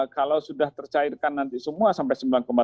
kalau sudah tercairkan nanti semua sampai sembilan delapan